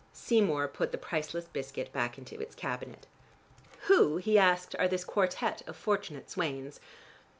Seymour put the priceless biscuit back into its cabinet. "Who," he asked, "are this quartette of fortunate swains?"